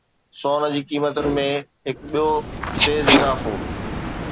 سون جي قيمتن ۾ هڪ ٻيو تيز اضافو